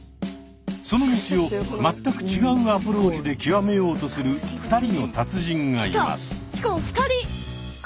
その道を全く違うアプローチで極めようとする２人の達人がいます。